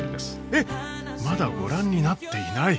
えっまだご覧になっていない！？